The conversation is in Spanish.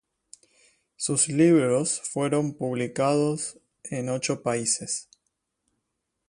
Sus libros fueron publicados en ocho países.